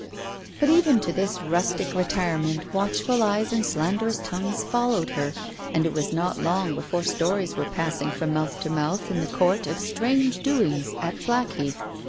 But even to this rustic retirement watchful eyes and slanderous tongues followed her; and it was not long before stories were passing from mouth to mouth in the Court of strange doings at Blackheath.